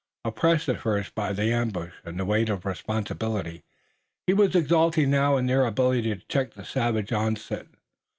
Oppressed at first by the ambush and weight of responsibility he was exulting now in their ability to check the savage onset.